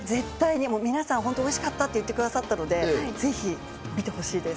皆さん、おいしかったと言ってくださったので、ぜひ見てほしいです。